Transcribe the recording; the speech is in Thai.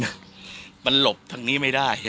เพราะว่ามันหลบทางนี้ไม่ได้ใช่ไหม